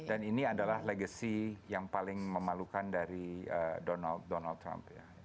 dan ini adalah legacy yang paling memalukan dari donald trump